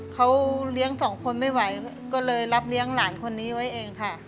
เขาเลี้ยงสองคนไม่ไหวก็เลยรับเลี้ยงหลานคนนี้ไว้เองค่ะ